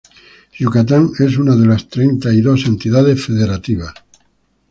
Yucatán es una de las treinta y dos entidades federativas